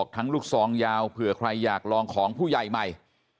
ลูกซองยาวเผื่อใครอยากลองของผู้ใหญ่ใหม่